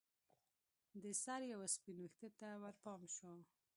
د سر یوه سپین ویښته ته ورپام شو